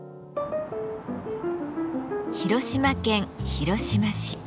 広島県広島市。